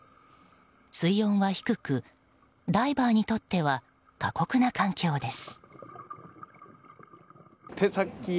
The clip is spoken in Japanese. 水温は低く、ダイバーにとっては過酷な環境です。